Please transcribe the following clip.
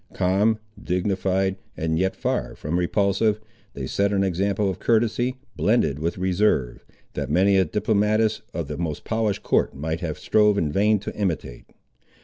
Calm, dignified, and yet far from repulsive, they set an example of courtesy, blended with reserve, that many a diplomatist of the most polished court might have strove in vain to imitate.